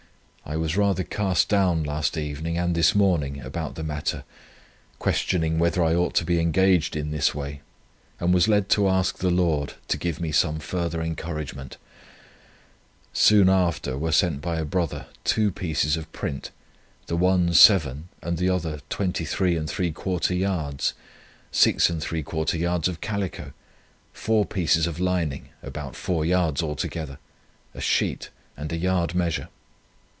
I was rather cast down last evening and this morning about the matter, questioning whether I ought to be engaged in this way, and was led to ask the Lord to give me some further encouragement. Soon after were sent by a brother two pieces of print, the one seven and the other 23¾ yards, 6¾ yards of calico, four pieces of lining, about four yards altogether, a sheet, and a yard measure.